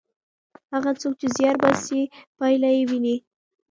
هغه څوک چې زیار باسي پایله یې ویني.